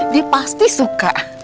dia pasti suka